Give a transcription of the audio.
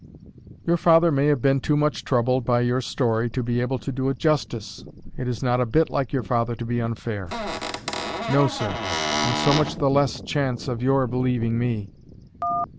"Your father may have been too much troubled by your story to be able to do it justice. It is not a bit like your father to be unfair." "No, sir. And so much the less chance of your believing me."